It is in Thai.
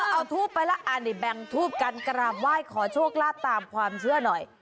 เออเอาทูปไปแล้วอ่านิแบงค์ทูปกันกรามไหว้ขอโชคลาดตามความเชื่อหน่อย